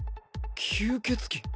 吸血鬼！？